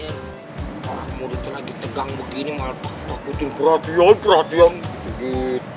orang muda tuh lagi tegang begini malah takutin perhatian perhatian gitu gitu